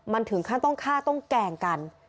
มันถึงขั้นต้องฆ่าต้องแกล้งกัน